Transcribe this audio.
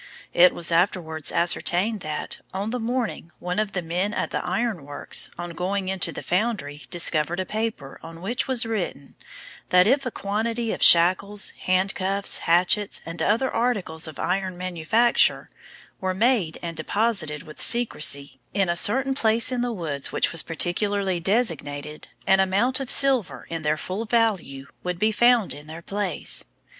It was afterwards ascertained that, on the morning one of the men at the Iron Works, on going into the foundry, discovered a paper, on which was written, that if a quantity of shackles, handcuffs, hatchets, and other articles of iron manufacture, were made and deposited, with secrecy, in a certain place in the woods, which was particularly designated, an amount of silver, to their full value, would be found in their place.